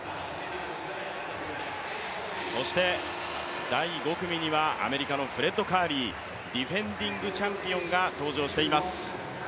そして第５組にはアメリカのフレッド・カーリー、ディフェンディングチャンピオンが登場しています。